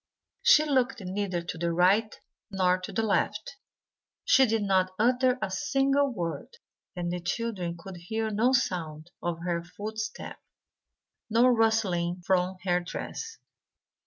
She looked neither to the right nor to the left. She did not utter a single word; and the children could hear no sound of her footstep, no rustling from her dress.